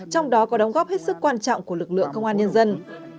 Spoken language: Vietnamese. trong đó có đóng góp hết sức quan trọng của lực lượng công an nhân dân